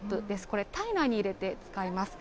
これ、体内に入れて使います。